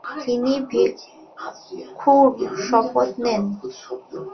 তিনি ভিক্ষুর শপথ নেন।